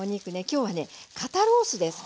今日はね肩ロースです。